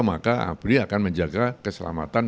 maka abri akan menjaga keselamatan